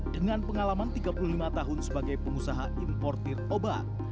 dengan pengalaman tiga puluh lima tahun sebagai pengusaha importir obat